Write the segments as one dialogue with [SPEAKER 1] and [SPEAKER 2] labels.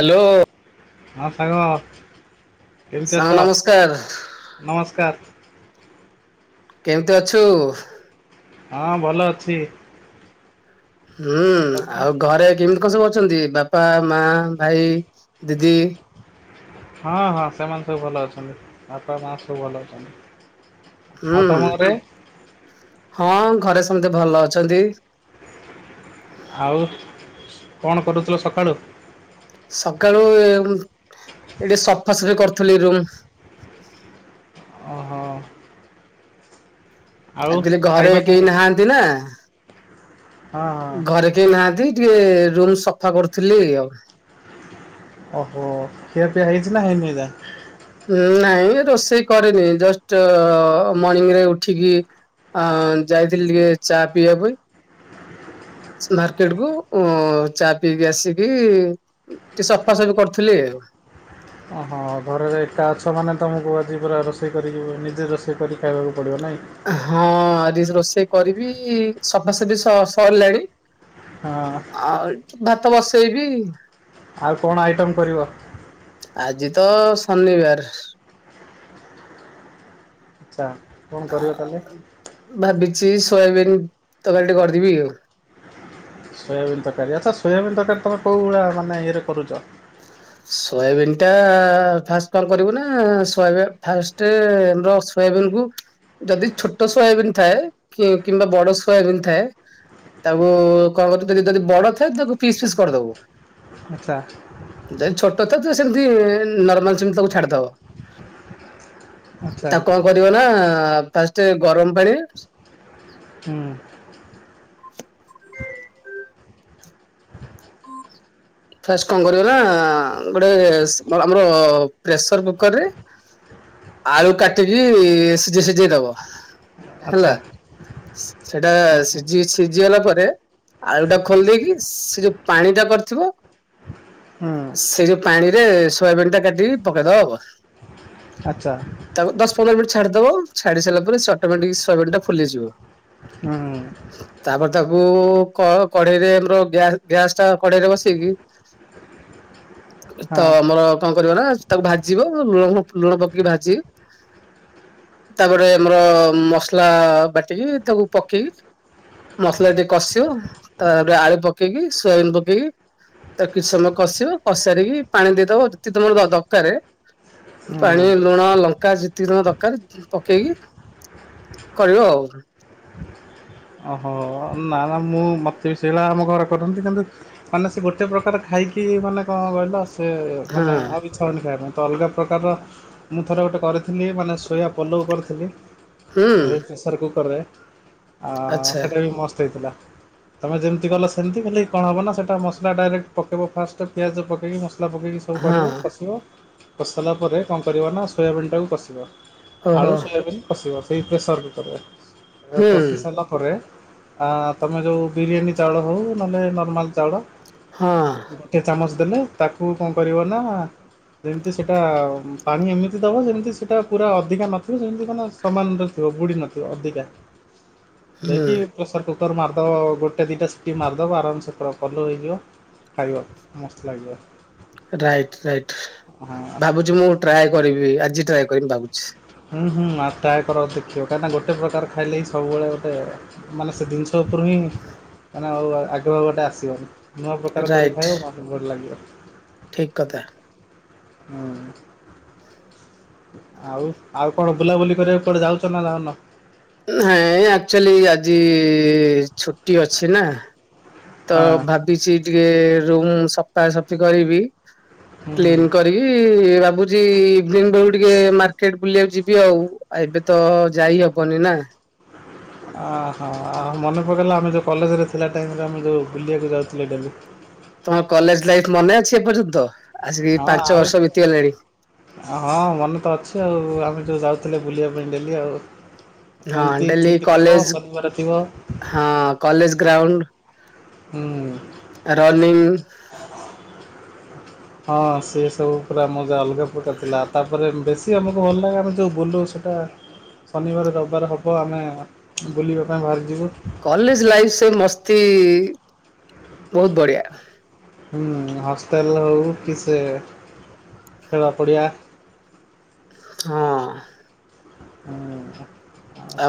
[SPEAKER 1] Hello.
[SPEAKER 2] ହଁ ସାଙ୍ଗ କେମିତି
[SPEAKER 1] ସାଙ୍ଗ
[SPEAKER 2] ଅଛ?
[SPEAKER 1] ନମସ୍କାର
[SPEAKER 2] ନମସ୍କାର!
[SPEAKER 1] କେମିତି ଅଛୁ।
[SPEAKER 2] ହଁ ଭଲ ଅଛି।
[SPEAKER 1] ହୁଁ ଆଉ ଘରେ କେମିତି କଣ ସବୁ ଅ ଅଛନ୍ତି ବାପା ମା ଭାଇ ଦିଦି?
[SPEAKER 2] ହଁ ହଁ ସେମାନେ ସବୁ ଭଲ ଅଛନ୍ତି ବାପା ମା ସବୁ ଭଲ ଅଛନ୍ତି।
[SPEAKER 1] ହୁଁ
[SPEAKER 2] ଆଉ ତମ ଘରେ?
[SPEAKER 1] ହଁ ଘରେ ସମସ୍ତେ ଭଲ ଅଛନ୍ତି।
[SPEAKER 2] ଆଉ କଣ କରରୁଛ ସଖାଳୁ?
[SPEAKER 1] ସକାଳୁ ଏଠି ସଫାସଫି କରୁଥିଲି ରୁମ୍।
[SPEAKER 2] ଓ। ଆଉ
[SPEAKER 1] ଆଚଲି ଘରେ
[SPEAKER 2] ଖାଇବା କଣ
[SPEAKER 1] କେହି
[SPEAKER 2] ହେଇଛି?
[SPEAKER 1] ନାହାନ୍ତି ନା
[SPEAKER 2] ହଁ ହଁ
[SPEAKER 1] ଘରେ କେହି ନାହାନ୍ତି ଟିକେ ରୁମ ସଫା କରୁଥିଲି ଆଉ।
[SPEAKER 2] ଓହୋ ଖିର ପିଇଆ ହେଇଛି ନା ହେଇନି ଯା?
[SPEAKER 1] ନାଇଁ ରୋଷେଇ କରେନି ଜଷ୍ଟ ମର୍ଣିଂ ରେ ଉଠିକି ଆ ଯାଇଥିଲି ଟିକେ ଚା ପିଇବା ପାଇଁ ମାର୍କେଟ କୁ ଚା ପିଇକି ଆସିକି ଟିକେ ସଫା ସଫି କରୁଥିଲି। [inaudible]
[SPEAKER 2] ଓହୋ। ହଁ ଘରେ ଏକା ଅଛ ମାନେ ତୁମକୁ, ଆଜି ପୁରା ରୋଷେଇ କରିକ ନିଜେ ରୋଷେଇ କରି ଖାଇବାକୁ ପଡ଼ିବ ନାହିଁ।
[SPEAKER 1] ହଁ ଆରି ରୋଷେଇ କରିବି ସଫାସଫି ସରିଲାଣି
[SPEAKER 2] ହଁ
[SPEAKER 1] ଆଉ ଭାତ ବସେଇବି
[SPEAKER 2] ଆଉ କଣ ଆଇଟମ୍ କରିବ?
[SPEAKER 1] ଆଜି ତ ଶନିବାର
[SPEAKER 2] ଆଚ୍ଛା କଣ କରିବ ତାହେଲେ?
[SPEAKER 1] ଭାବିଛିି ସୋୟାବିନ ତକା ଟିକେ କରିଦେବି ଆଉ।
[SPEAKER 2] ସୋୟାବିନ୍ ତରକାରୀ ଆଚ୍ଛା ସୋୟାବିନ୍ ତରକାରୀ ତମେ କେଉଁ ଭଳିଆ ମାନେ ଇଏରେ କରୁଛ?
[SPEAKER 1] ସୋୟାବିିନ ଟା ଫାଷ୍ଟ କଣ କରିବୁ ନା ଫାଷ୍ଟ ଆମର ସୋୟାବନ୍ କୁ ଯଦି ଛୋଟ ଶୟବନ୍ ଥାଏ କିମ୍ବା ବଡ ଶୟବନ୍ ଥାଏ ତାକୁ କଣ କରୁୁ ଯଦି ଯଦି ବଡ ଥାଏ ତାକୁ ପିସ୍ ପିସ୍ କରିଦବୁ
[SPEAKER 2] ଆଚ୍ଛା।
[SPEAKER 1] ଯଦି ଛୋଟ ଥାିବ ସେମିତି ନର୍ମାଲ ସେମିତି ତାକୁ
[SPEAKER 2] ଆଚ୍ଛା
[SPEAKER 1] ଛାଡିଦବ ତାକୁ କଣ କରିବ ନା ଫାଷ୍ଟ ଗରମ ପାଣି
[SPEAKER 2] ହୁଁ।
[SPEAKER 1] ଫାଷ୍ଟ କଣ କର ନା ଗୋଟେ ଆମର ପ୍ରେସର କୁକରରେ ଆଳୁ କାଟିକି ସିଝେଇ ସିଝେଇ ଦବ।
[SPEAKER 2] ଆଚ୍ଛା
[SPEAKER 1] ହେଲା ସେଟା
[SPEAKER 2] ହୁଁ ହୁଁ
[SPEAKER 1] ସିଝି ସିଝିଗଲା ପରେ ଆଳୁ ଟା ଖୋଲି ଦେଇେଇକି ସେ ଯୋଉ ପାଣି ଟା କରିଥିବ
[SPEAKER 2] ହୁଁ
[SPEAKER 1] ସେଇ ଯୋଉ ପାଣିରେ ସୋୟାବିିନ ଟା କାଟିକି ପକେଇଦବା।
[SPEAKER 2] ଆଚ୍ଛା
[SPEAKER 1] ତାକୁ ଦଶ ପନ୍ଦର ମିନିଟ ଛାଡ଼ିଦେବ ଛାଡି ସାରିଲ ପରେ ସେ ଅଟୋଟିକ ଶହେ ମିନିଟା ଫଲିଯିବ [unintelligible]
[SPEAKER 2] ହୁଁ।
[SPEAKER 1] ତାକୁ କଢେଇରେ ଆମର ଗ୍ୟାସ୍ ଟା କଢେଇରେ ବସେଇକି
[SPEAKER 2] [inaudible] ହଁ
[SPEAKER 1] ତ ଆମର କଣ କରିବ ନା ତାକୁ ଭାଜିବ ଲୁଣ ଲୁଣ ପକେଇକି ଭାଜି
[SPEAKER 2] ହ [inaudible]
[SPEAKER 1] ତାପରେ ଆମର ମସଲା ବାଟିକି ତାକୁ ପକେଇକି ମସଲା ଟିକେ କଷିବ ତାପରେ ଆଳୁ ପକେଇକି ସୋୟାବନ ପକେଇକି ତାକୁ କିଛି ସମୟ କଷିବ କଷାରିକି ପାଣି ଦେଇଦବ ଯତି ତମର ଦରକାର
[SPEAKER 2] ହୁଁ
[SPEAKER 1] ପାଣି ଲୁଣ ଲଙ୍କା ଯେତିକ ଦରକାର ପକେଇକି କରିବ ଆଉ।
[SPEAKER 2] ଓହୋ। [unintelligible] [unintelligible] ଥିଲି ମାନେ
[SPEAKER 1] ହଁ
[SPEAKER 2] ସୋୟା ପୋଲାଉ କରିଥିଲି ପ୍ରେସର
[SPEAKER 1] ହୁଁ
[SPEAKER 2] କୁକରରେ। ଆ
[SPEAKER 1] ଆଚ୍ଛା
[SPEAKER 2] ସେଇଟା ବି ମସ୍ତ ହେଇଥିଲା ତମେ ଯେମିତି ଗଲ ସେମିତି ହେଲେ
[SPEAKER 1] ହଁ
[SPEAKER 2] [unintelligible] [unintelligible]
[SPEAKER 1] ଓହୋ
[SPEAKER 2] ଆଳୁ ସୋୟାବିନ୍‌ କଷିବ ସେଇ ପ୍ରେସର କୁକରରେ
[SPEAKER 1] ହୁଁ
[SPEAKER 2] କଷି ସାରିଲା ପରେ ଆ ତମେ ଯଉ ବିରିୟାନୀ ଚାଉଳ ହଉ ନହେଲେ ନର୍ମାଲ ଚାଉଳ
[SPEAKER 1] ହଁ
[SPEAKER 2] ଗୋଟେ ଚାମଚ [unintelligible] ଯେମତି ସେଟା ପାଣି ଏମିତି ଦବା ଯେମିତି ସେଟା ପୁରା ଅଧିକା ନଥିବ ଯେମିତି ମାନେ ସମାନରେ ଥିବ ବୁଡି ନଥିବ ଅଧିକା।
[SPEAKER 1] ହୁଁ।
[SPEAKER 2] ପ୍ରେସର୍ କୁକର୍ ମାରିଦବ ଗୋଟେ ଦିଟା ସିଟି ମାରିଦବ ଆରାମସେ ପୁରା ପଲଉ ହେଇଯିବ। ଖାଇବା ମସ୍ତ ଲାଗିବ।
[SPEAKER 1] ରାଇଟ ରାଇଟ
[SPEAKER 2] ହଁ।
[SPEAKER 1] ଭାବୁଛି ମୁଁ ଟ୍ରାଏ କରିବି ଆଜି ଟ୍ରାଏ କରିବି ଭାବୁଛି।
[SPEAKER 2] ହୁଁ ହୁଁ ଆ ଟ୍ରାଏ କର ଦେଖିବ କାହିଁକିନା ଗୋଟେ ପ୍ରକାର ଖାଇଲେ ହିଁ ସବୁବେଳେ ଗୋଟେ ମାନେ ସେ ଜିନିଷ ଉପରୁ ହିଁ ମାନେ ଆଉ ଆଗ୍ରହ ଗୋଟେ ଆସିବନି। ନୂଆ ପ୍ରକାର
[SPEAKER 1] ରାଇଟ
[SPEAKER 2] କରିଥାଏ ଆ ମୋତେ ଭଲ ଲାଗିବ [unintelligible]
[SPEAKER 1] ଠିକ କଥା।
[SPEAKER 2] ହୁଁ। ଆଉ ଆଉ କଣ ବୁଲାବୁଲି କରିବାକୁ କୁଆଡ଼େ ଯାଉଛ ନା ଯାଉନ?
[SPEAKER 1] ନାଇଁ ଆକ୍ଚୁଆଲି ଆଜି ଛୁଟି ଅଛି ନା ତ
[SPEAKER 2] ହଁ
[SPEAKER 1] ଭାବିଛି ଟିକେ ରୁମ ସଫାସଫି କରିବି
[SPEAKER 2] ହୁଁ ହୁଁ
[SPEAKER 1] କ୍ଲିନ କରିକି ଭାବୁଛି ଇଭିନିଂ ବେଳକୁ ଟିକେ ମାର୍କେଟ ବୁଲିବାକୁ ଯିବି ଆଉ ଏବେ ତ ଯାଇ ହବନି ନା।
[SPEAKER 2] ଅ ହୋ ଆ ମନେ ପକେଇଲା ଆମେ ଯେଉଁ କଲେଜରେ ଥିଲା ଟାଇମରେ ଆମେ ଯେଉଁ ବୁଲିବାକୁ ଯାଉଥିଲେ ଡେଲି।
[SPEAKER 1] ତମ କଲେଜ ଲାଇଫ ମନେ ଅଛି ଏପର୍ଯ୍ୟନ୍ତ? ଆସିକି
[SPEAKER 2] ହଁ
[SPEAKER 1] ପାଞ୍ଚ
[SPEAKER 2] ଆଉ
[SPEAKER 1] ବର୍ଷ ବିତିଗଲାଣି।
[SPEAKER 2] ସେ ଆଉ ଆମେ ଯଉଁ ଯାଉଥିଲେ ବୁଲିବା ପାଇଁ ଡେଲି ଆଉ।
[SPEAKER 1] ହଁ
[SPEAKER 2] ଏମିତି
[SPEAKER 1] ଡେଲି
[SPEAKER 2] ଛୁଟି ଥିବ
[SPEAKER 1] କଲେଜ
[SPEAKER 2] ଶନିବାର ଥିବ।
[SPEAKER 1] ହଁ କଲେଜ ଗ୍ରାଉଣ୍ଡ
[SPEAKER 2] ହୁଁ।
[SPEAKER 1] ରନିଂ।
[SPEAKER 2] ହଁ ସେ ସବୁ ପୁରା ମଜା ଅଲଗା ପ୍ରକାର ଥିଲା ତାପରେ ବେଶୀ ଆମକୁ ଭଲ ଲାଗେ ଆମେ ଯୋଉ ବୁଲୁ ସେଇଟା ଶନିବାର ରବିବାର ହେବ ଆମେ ବୁଲିବା ପାଇଁ ବାହାରିଯିବୁ।
[SPEAKER 1] କଲେଜ ଲାଇଫ ସେ ମସ୍ତି ବହୁତ ବଢିଆ।
[SPEAKER 2] ହୁଁ ହଷ୍ଟେଲ ହଉ କି ସେ ଖେଳ ପଡିଆ।
[SPEAKER 1] ହଁ।
[SPEAKER 2] [unintelligible]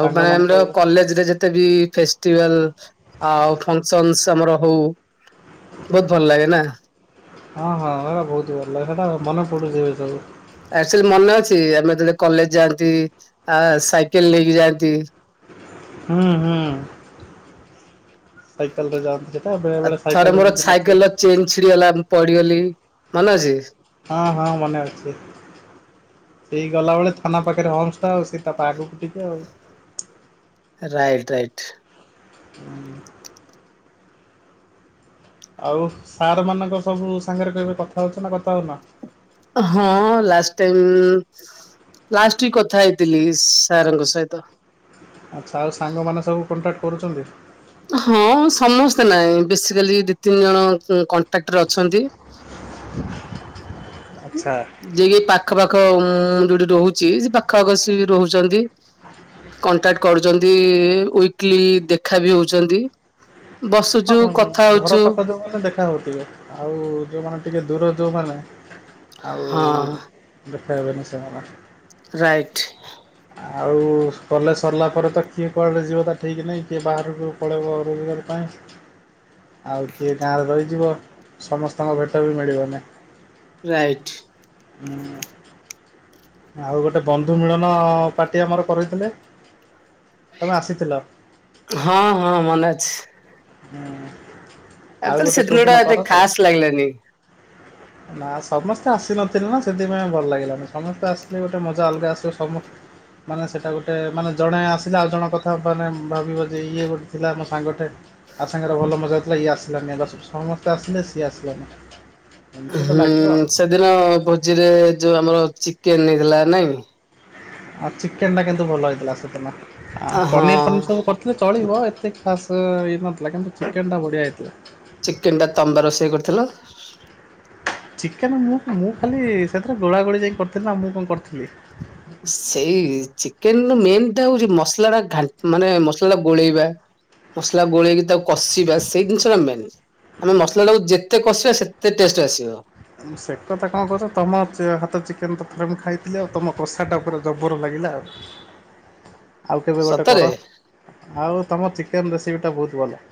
[SPEAKER 1] ଆଉ [unintelligible]
[SPEAKER 2] ସବୁ
[SPEAKER 1] କଲେଜରେ ଯେତେ ବି ଫେଷ୍ଟିଭାଲ ଆଉ ଫଙ୍କସନସ୍ ତମର ହଉ ବହୁତ୍ ଭଲ ଲାଗେ ନା?
[SPEAKER 2] ହଁ ହଁ ବହୁତ ଭଲ ଲାଗେ ସେଟା ଆଉ ମନେ ପଡୁଛି ଏ ସବୁ।
[SPEAKER 1] ଆକ୍ଚୁଆଲି ମନେ ଅଛି ଆମେ ଯେତେବଳେ କଲେଜ ଯାଆନ୍ତି, ଆ ସାଇକେଲ ନେଇକି ଯାଆନ୍ତି।
[SPEAKER 2] ହୁଁ ହୁଁ। ସାଇକଲରେ ଯାଆନ୍ତି। ବେଳେ
[SPEAKER 1] ଆଉ
[SPEAKER 2] ବେଳେ
[SPEAKER 1] ଥରେ
[SPEAKER 2] ସାଇକେଲ
[SPEAKER 1] ମୋର
[SPEAKER 2] ବି ଯଦି ନଥିବ
[SPEAKER 1] ସାଇକେଲର ଚେନ୍ ଛିଡିଗଲା, ପଡିଗଲି ମନେ ଅଛି?
[SPEAKER 2] ହଁ ହଁ ମନେ ଅଛି। ହେଇ ଗଲାବେଳେ ଥାନା ପାଖରେ ହମ୍ପସଟା ଆଉ ସେ ତା ପାଖକୁ ଟିକେ ଆଉ।
[SPEAKER 1] Right right.
[SPEAKER 2] [unintelligible] ଆଉ ସାର୍ ମାନଙ୍କ ସବୁ ସାଙ୍ଗରେ କେବେ କଥା ହଉଛ ନା କଥା ହଉନ?
[SPEAKER 1] ହଁ ଲାଷ୍ଟ ଟାଇମ୍। ଲାଷ୍ଟ ୱିକ୍ କଥା ହେଇଥିଲି ସାରଙ୍କ ସହିତ।
[SPEAKER 2] ଆଚ୍ଛା ଆଉ ସାଙ୍ଗମାନେ ସବୁ କଣ୍ଟାକ୍ଟ କରୁଛନ୍ତି?
[SPEAKER 1] ହଁ ସମସ୍ତେ ନାଇଁ ବେସିକାଲି ଦି ତିନି ଜଣ କଣ୍ଟାକ୍ଟରେ ଅଛନ୍ତି।
[SPEAKER 2] ଆଚ୍ଛା।
[SPEAKER 1] ଯିଏ ପାଖ ପାାଖ ଉଁ ଯୋଉଠି ରହୁଛି, ସେ ପାଖଆଖ ସେ ରହୁଛନ୍ତି। କଣ୍ଟାକ୍ଟ କରୁଛନ୍ତି, ୱିକଲି ଦେଖା ବି ହଉଛନ୍ତି।
[SPEAKER 2] ହଁ
[SPEAKER 1] ବସୁଛୁ
[SPEAKER 2] ହଁ ହଁ
[SPEAKER 1] କଥା
[SPEAKER 2] ଘର
[SPEAKER 1] ହଉଛୁ
[SPEAKER 2] ପାଖ ଯୋଉମାନେ ଦେଖା ହଉଥିବେ ଆଉ ଯୋଉମାନେ ଟିକେ ଦୂର ଯୋଉମାନେ। ଆଉ
[SPEAKER 1] ହଁ
[SPEAKER 2] ଦେଖାହେବେନି ସେମାନେ।
[SPEAKER 1] ରାଇଟ୍।
[SPEAKER 2] ଆଉ କଲେଜ୍ ସରିଲା ପରେ ତ କିଏ କୁଆଡ଼େ ଯିବ ତା ଠିକ ନାହିଁ, କିଏ ବାହାରକୁ ପଳେଇବ ରୋଜଗାର ପାଇଁ। ଆଉ କିଏ ଗାଁରେ ରହିଯିବ, ସମସ୍ତଙ୍କ ଭେଟ ବି ମିଳିବନି।
[SPEAKER 1] ରାଇଟ୍।
[SPEAKER 2] [inaudible] ଆଉ ଗୋଟେ ବନ୍ଧୁ ମିଳନ ପାର୍ଟି ଆମର କରେଇଥିଲେ।
[SPEAKER 1] ହଁ ହଁ ମନେ ଅଛି।
[SPEAKER 2] ହୁଁ ଆଉ
[SPEAKER 1] ଆକ୍ଚୁଆଲି
[SPEAKER 2] ଗୋଟେ
[SPEAKER 1] ସେଦିନ ଟା
[SPEAKER 2] କୋଉଦିନ
[SPEAKER 1] ଏତେ
[SPEAKER 2] କରନ୍ତେ?
[SPEAKER 1] ଖାସ୍ ଲାଗିଲାନି।
[SPEAKER 2] ନା ସମସ୍ତେ ଆସିନଥିଲେ ନା ସେଥିପାଇଁ ଭଲ ଲାଗିଲାନି ସମସ୍ତେ ଆସିଲେ ଗୋଟେ ମଜା ଅଲଗା ଆସିବ ସମସ୍ତେ ମାନେ ସେଇଟା ଗୋଟେ ମାନେ ଜଣେ ଆସିଲା ଆଉ ଜଣେ କଥା ମାନେ ଭାବିବ ଯେ ଇଏ ଗୋଟେ ଥିଲା ମୋ ସାଙ୍ଗଟେ ଆ ସାଙ୍ଗରେ ଭଲ ମଜା ଥିଲା ଇଏ ଆସିଲାନି, ଆଗ ସମସ୍ତେ ଆସିଲେ ସିଏ ଆସିଲାନି। ଏମିତି ଗୋଟେ
[SPEAKER 1] ହୁଁ
[SPEAKER 2] ଲାଗିବ ଆଉ।
[SPEAKER 1] ସେଦିନ ଭୋଜିରେ ଯୋଉ ଆମର ଚିକେନ ହେଇଥିଲା ନାଇଁ?
[SPEAKER 2] ଆଉ ଚିକେନଟା କିନ୍ତୁ ଭଲ ହେଇଥିଲା ସେଦିନ।
[SPEAKER 1] ହଁ
[SPEAKER 2] ପନିର ଫନିର ସବୁ କରିଥିଲେ ଚଳିବ। [unintelligible] ଚିକେନଟା ବଢ଼ିଆ ହେଇଥିଲା।
[SPEAKER 1] ଚିକେନଟା ତମେତ ରୋଷେଇ କରିଥିଲ।
[SPEAKER 2] ଚିକେନ ମୁଁ ମୁଁ ଖାଲି ସେଥିରେ ଗୋଳା ଗୋଳି ଯାଇ କରିଥିଲି ନା ଆଉ ମୁଁ କଣ କରିଥିଲି?
[SPEAKER 1] କିନ୍ତୁ ମେନ୍ ଟା ହଉଛି ମସଲାଟା ମାନେ ମସଲା ଟା ଗୋଳେଇବା। ମସଲା ଗୋଳେଇକି ତାକୁ କଷିବା, ସେଇ ଜିନିଷଟା ମେନ। ଆମେ ମସଲାଟାକୁ ଯେତେ କଷିବା ସେତେ ଟେଷ୍ଟ ଆସିବ।
[SPEAKER 2] ସେ କଥା କଣ କହୁଛ ତମ ହାତ ଚିକେନ ତ ଥରେ ମୁଁ ଖାଇଥିଲି ଆଉ ତମ କଷାଟା ପୁରା ଜବର ଲାଗେ। ଥିଲା ଆ ଆଉ କେବେ ଗୋଟେ
[SPEAKER 1] ସତରେ।
[SPEAKER 2] କର। ଆଉ ତମ କେନ୍ ରେସିପି ଟା ବହୁତ ଭଲ।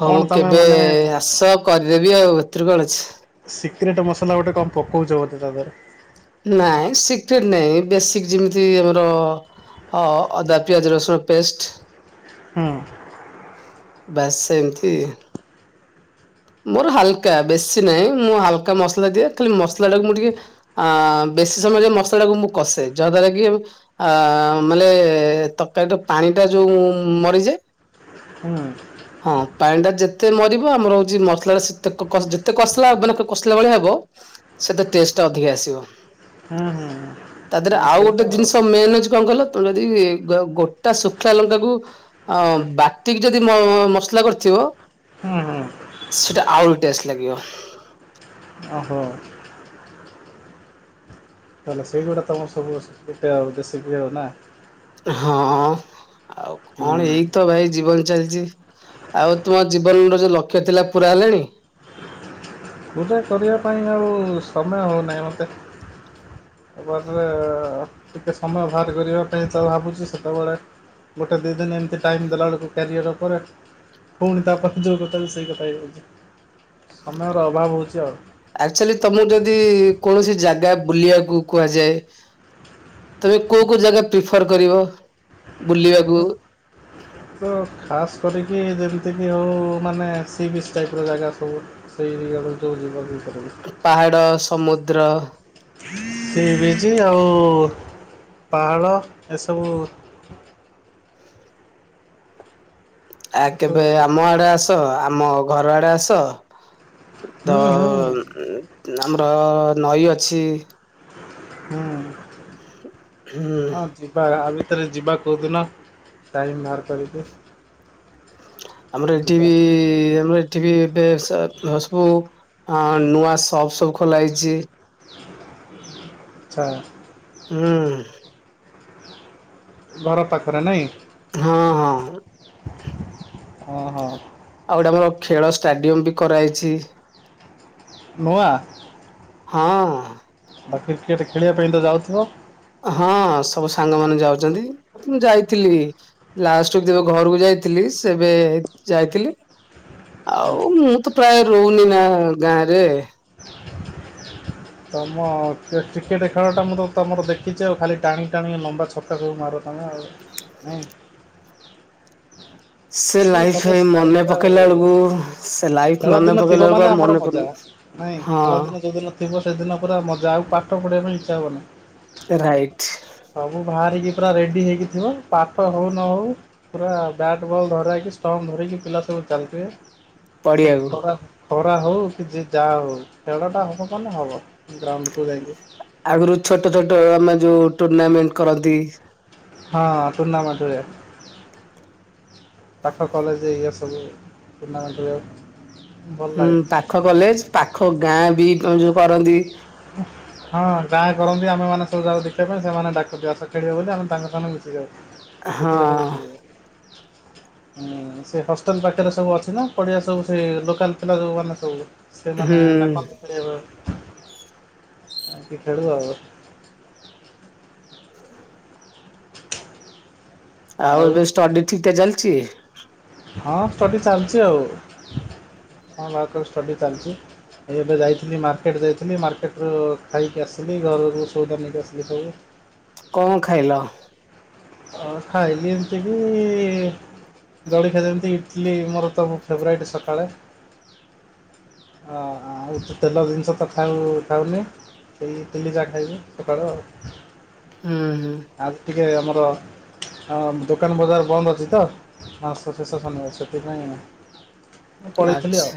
[SPEAKER 1] ହଉ
[SPEAKER 2] କଣ ତମେ
[SPEAKER 1] କେବେ
[SPEAKER 2] ମାନେ
[SPEAKER 1] ଆସ କରିଦେବି ଆଉ ଏଥିରୁ କଣ ଅଛି।
[SPEAKER 2] ସିକ୍ରେଟ୍ ମସଲା ଗୋଟେ କଣ ପକଉଚ ବୋଧେ ତା ଦେହରେ?
[SPEAKER 1] ନାଇଁ ସିକ୍ରେଟ୍ ନାଇଁ ଏଇ ବେସିକ୍ ଯେମିତି ଆମର ହଁ ଅଦା ପିଆଜ ରସୁଣ ପେଷ୍ଟ।
[SPEAKER 2] ହଁ।
[SPEAKER 1] ବାସ୍ ସେମତି। ମୋର ହାଲକା ବେଶୀ ନାହିଁ। ମୁଁ ହାଲକା ମସଲା ଦିଏ। ଖାଲି ମସଲାଟାକୁ ମୁଁ ଟିକେ ଆ, ଆଁ, ବେଶୀ ସମୟ ଯାଏ ମସଲାକୁ ମୁଁ କଷେ। ଯାହା ଦ୍ବାରା କି ମୁଁ ଆ, ମାନେ ତରକାରୀର ପା ପାଣି ଟା ଯୋଉ ମରିଯାଏ।
[SPEAKER 2] ହୁଁ
[SPEAKER 1] ହଁ ପାଣି ଟା ଯେତେ ମରିବ ଆମର ଯେ ମସଲାଟା ସେତେ କ-କଷ ଯେତେ କଷିଲା ବେଲକୁ କଷିଲା ଭଳିଆ ହେବ ସେତେ ଟେଷ୍ଟ ଟା ଅଧିକା ଆସିବ।
[SPEAKER 2] ହୁଁ ହୁଁ
[SPEAKER 1] ତା ଦେହରେ
[SPEAKER 2] ନା
[SPEAKER 1] ଆଉ
[SPEAKER 2] ସେଇଟା
[SPEAKER 1] ଗୋଟେ ଜିନିଷ ମେନ୍ ଅଛି କଣ କହିଲ? ଯଦି ଗୋ ଗୋଟା ଶୁଖିଲା ଲଙ୍କାକୁ ଅ, ବାଟିକି ଯଦି ମ- ମସଲା କରିଥିବ
[SPEAKER 2] ହୁଁ, ହୁଁ।
[SPEAKER 1] ସେଟା ଆହୁରି ଟେଷ୍ଟ ଲାଗିବ।
[SPEAKER 2] ଓହୋ! ତାହେଲେ ସେଇଗୁଡା ତୋମର ସବୁ ଯେତେ ଆଉ ଦେଶୀ କି ହବ ନା।
[SPEAKER 1] ହଁ ଆଉ କଣ
[SPEAKER 2] ହୁଁ।
[SPEAKER 1] ଏଇ ତ ଭାଇ ଜୀବନ। ଚାଲିଚି। ଆଉ ତୁମ ଜୀବନର ଯୋଉ ଲକ୍ଷ୍ୟ ଥିଲା ପୁରା ହେଲାଣି?
[SPEAKER 2] ପୁରା କରିବା ପାଇଁ ଆଉ ସମୟ ହଉନାହିଁ ମୋତେ। ଏପଟରେ ଟିକେ ସମୟ ବାହାର କରିବା ପାଇଁ ତ ଭାବୁଛି। ସେତେବେଳେ ଗୋଟେ ଦି ଦିନ ଏମିତି ଟାଇମ୍ ଦେଲାବେଳକୁ କ୍ୟାରିଅର୍ ଉପରେ ପୁଣି ତା ପ୍ରତିଯୋଗ କଥା ବି ସେଇ କଥା ହେଇ ହଉଚି। ସମୟର ଅଭାବ ହଉଚି ଆଉ।
[SPEAKER 1] ଆକ୍ଚୁଲି ତୋମକୁ ଯଦି କୌଣସି ଜାଗା ବୁଲିବାକୁ କୁହାଯାଏ ତୁମେ କୋଉ କୋଉ ଜାଗା ପ୍ରିଫର୍ କରିବ? ବୁଲିବାକୁ
[SPEAKER 2] ମୁଁ ତ ଖାସ୍ କରିକି ଯଦି ଏତିକି ହଉ ମାନେ ସି ବିଚ୍ ଟାଇପ୍ ର ଜାଗା ସବୁ ସେଇ ଆଡ଼କୁ ଯୋଉ ଯିବାକୁ କରୁଛି।
[SPEAKER 1] ପାହାଡ, ସମୁଦ୍ର
[SPEAKER 2] ସି ବିଚ୍ ଆଉ ପାହାଡ଼ ଏସବୁ।
[SPEAKER 1] ଆ,
[SPEAKER 2] ଏସବୁ
[SPEAKER 1] କେବେ
[SPEAKER 2] ଜାଗା
[SPEAKER 1] ଆମ ଆଡେ ଆସ। ଆମ ଘର ଆଡେ ଆସ।
[SPEAKER 2] ହୁଁ
[SPEAKER 1] ତ
[SPEAKER 2] ହୁଁ
[SPEAKER 1] ଉଁ, ଆମର ନଈ ଅଛି।
[SPEAKER 2] ହୁଁ,
[SPEAKER 1] ହୁଁ
[SPEAKER 2] ଆ, ଯିବା ଘାବି ଥରେ ଯିବା କୋଉଦିନ ଟାଇମ୍ ବାହାର କରିକି।
[SPEAKER 1] ଆମର ଏଠି
[SPEAKER 2] ଯିବା
[SPEAKER 1] ବି ଆମର ଏଠି ବି ଏବେ ସା-ନ-ସବୁ ଅଁ, ନୂଆ ସପ୍ ସବୁ ଖୋଲା ହେଇଚି।
[SPEAKER 2] ଛା
[SPEAKER 1] ହୁଁ।
[SPEAKER 2] ଘର ପାଖରେ ନାଇଁ?
[SPEAKER 1] ହଁ ହଁ।
[SPEAKER 2] ଅଁ, ହଁ।
[SPEAKER 1] ଆଉ ଗୋଟେ ଆମର ଖେଳ ଷ୍ଟାଡିୟମ୍ ବି କରାହେଇଛି।
[SPEAKER 2] ନୂଆ?
[SPEAKER 1] ହଁ।
[SPEAKER 2] ଆ, କ୍ରିକେଟ୍ ଖେଳିବା ପାଇଁ ତ ଯାଉଥୁବ?
[SPEAKER 1] ହଁ ସବୁ ସାଙ୍ଗମାନେ ଯାଉଚନ୍ତି। ମୁଁ ଯାଇଥିଲି ଲାଷ୍ଟକୁ ଯେବେ ଘରକୁ ଯାଇ ଥିଲି ସେବେ ଯାଇଥିଲି। ଆଉ ମୁଁ ତ ପ୍ରାୟ ରଉନି ନା ଗାଁରେ।
[SPEAKER 2] ହ ତୋମ କେ-କ୍ରିକେଟ୍ ଖେଳଟା ମୁଁ ତ ତୋମର ଦେଖିଚି ଆଉ ଖାଲି ଟାଣି ଟାଣିକି ଲମ୍ବା ଛକା ସବୁ ମାର। ତୋମେ ଆଉ ନାଇଁ। ସେ
[SPEAKER 1] ଲାଇଫ୍ ହେଇ
[SPEAKER 2] କଲେଜ୍ ଟାଇମ୍
[SPEAKER 1] ମନେ
[SPEAKER 2] ରେ ଆଉ
[SPEAKER 1] ପକେଇଲା ବେଳକୁ ସେ ଲାଇଫ୍
[SPEAKER 2] ଖେଳ
[SPEAKER 1] ମନେ
[SPEAKER 2] ଦିନ
[SPEAKER 1] ପକେଇଲା
[SPEAKER 2] ଥିବ
[SPEAKER 1] ବେଳକୁ ଆଉ
[SPEAKER 2] ମାନେ ଆମର
[SPEAKER 1] ମନେ ପଡୁନି।
[SPEAKER 2] ମଜା। ନାଇଁ
[SPEAKER 1] ହଁ
[SPEAKER 2] ଖେଳ ଦିନ ଯଉଦିନ ଥିବ ସେଦିନ ପୁରା ମଜା ଆଉ ପାଠ ପଢ଼ିବା ପାଇଁ ଇଚ୍ଛା ହବନି।
[SPEAKER 1] ରାଇଟ୍
[SPEAKER 2] ସବୁ ବାହାରିକି ପୁରା ରେଡ଼ି ହେଇକି ଥିବ ପାଠ ହଉ ନ ହଉ ପୁରା ବ୍ୟାଟ୍ ବଲ୍ ଧରା ହେଇକି ଷ୍ଟମ୍ପ ଧରିକି ପିଲା ସବୁ ଚାଲିଥିବେ ସେ
[SPEAKER 1] ପଡିଆକୁ।
[SPEAKER 2] ଖରା ଖରା ହଉ କି ଯି ଯାହା ହଉ। ଖେଳଟା ହବ‌ ମାନେ ହବ ଗ୍ରାଉଣ୍ଡକୁ ଯାଇଁକି।
[SPEAKER 1] ଆଗରୁ ଛୋଟ ଛୋଟ ଆମେ ଯୋଉ ଟୁର୍ନାମେଣ୍ଟ କରନ୍ତି।
[SPEAKER 2] ହଁ ଟୁର୍ନାମେଣ୍ଟେ। ପାଖ କଲେଜ ଜେଇ ଗିଆ ସବୁ ଟୁର୍ନାମେଣ୍ଟ ହୁଏ। ଭଲ
[SPEAKER 1] ହୁଁ
[SPEAKER 2] ଲାଗେ।
[SPEAKER 1] ପାଖ କଲେଜ ପାଖ ଗାଁ ବି ତମେ ଯୋଉ କରନ୍ତି।
[SPEAKER 2] ହଁ ଗାଁ କରନ୍ତି ଆମେ ମାନେ ସବୁ ଯାଉ ଦେଖିବା ପାଇଁ ସେମାନେ ଡାକନ୍ତି ଆସ ଖେଳିବ ବୋଲି ଆମେ ତାଙ୍କ ସାଙ୍ଗେ ମିଶି ଯାଉ।
[SPEAKER 1] ହଁ
[SPEAKER 2] ଯେତିକ ଖେଳିଚୁ। ହୁଁ ସେ ହଷ୍ଟେଲ ପାଖରେ ସବୁ ଅଛି ନା ପଡିଆ ସବୁ ସେ ଲୋକାଲ ପିଲା ଯଉ ମାନେ ସବୁ। ସେମାନେ
[SPEAKER 1] ହୁଁ
[SPEAKER 2] ଡାକନ୍ତି ଖେଳିବା। ଆଉ କିି ଖେଳୁ ଆଉ।
[SPEAKER 1] ଆଉ ଏବେ ଷ୍ଟଡି ଠିକ ଠାକ୍ ଚାଲିଛି?
[SPEAKER 2] ହଁ ଷ୍ଟଡ଼ି ଚାଲିଛି ଆଉ କଣ ବାକୁ ଷ୍ଟଡ଼ି ଚାଲିଛି। ଏବେ ଯାଇଥିଲି ମାର୍କେଟ ଯାଇଥିଲି ମାର୍କେଟରୁ ଖାଇକି ଆସିଲି ଘର କୁ ସଉଦା ନେଇକି ଆସିଲି ସବୁ।
[SPEAKER 1] କଣ ଖାଇଲ?
[SPEAKER 2] ଅ ଖାଇଲିି ଏମିତି ବି। ଜଳିଖିଆ ଯେମିତି ଇଟିଲୀ ମୋର ତ ଫେବରେଟ୍ ସକାଳେ। ଅ ଆଉ ତ ତେଲ ଜିନିଷ ତ ଖାଉ ଖାଉନି। ସେଇ ଇଟିଲି ଯାହା ଖାଇବି ସକାଳୁ ଆଉ।
[SPEAKER 1] ହୁଁ ହୁଁ।
[SPEAKER 2] ଏ ଆମର। ହଁ ଦୋକାନ ବଜାର ବନ୍ଦ ଅଛି ତ ମାସ ଶେଷ ଶନିବାର ସେଥିପାଇଁ। ମୁଁ ପଳେଇଥିଲି
[SPEAKER 1] ଆଚ୍ଛା।
[SPEAKER 2] ଆଉ।